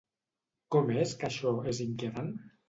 Com és que això és inquietant?